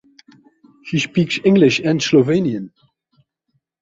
She speaks English and Slovenian.